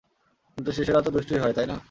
কিন্তু শিশুরা তো দুষ্টুই হয়, তাই না?